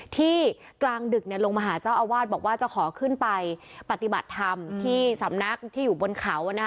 ที่กลางดึกลงมาหาเจ้าอาวาสบอกว่าจะขอขึ้นไปปฏิบัติธรรมที่สำนักที่อยู่บนเขา